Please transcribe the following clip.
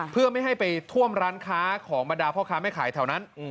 เพื่อไม่ให้ไปท่วมร้านค้าของบรรดาพ่อค้าแม่ขายแถวนั้น